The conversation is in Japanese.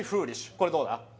これどうだ？